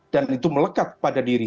dan itu melekat pada diri